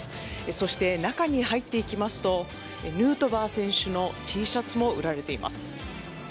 そして中に入っていきますとヌートバー選手のＴシャツも売られています。